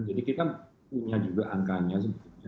jadi kita punya juga angkanya sebetulnya